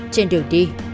trên đường đi